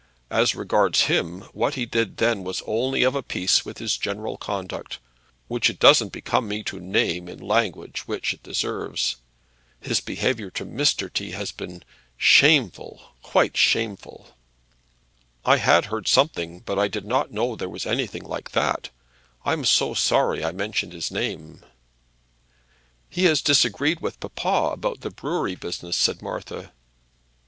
As regards him, what he did then was only of a piece with his general conduct, which it doesn't become me to name in the language which it deserves. His behaviour to Mr. T. has been shameful; quite shameful." "I had heard something, but I did not know there was anything like that. I'm so sorry I mentioned his name." "He has disagreed with papa about the brewery business," said Martha.